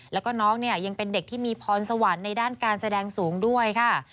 แล้วก็น้องเนี่ยยังเป็นเด็กที่มีพรสวรรค์ในด้านการแสดงสูงด้วยค่ะ